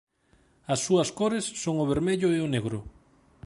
As súas cores son o vermello e o negro.